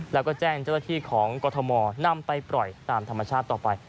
แล้วก็แจ้งเจ้าหน้าที่ของกรทมนำไปปล่อยตามธรรมชาติต่อไป